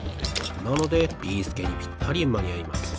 なのでビーすけにぴったりまにあいます。